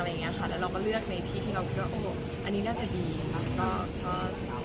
แล้วเราก็เลือกในที่ที่เราคิดว่าอันนี้น่าจะดีค่ะ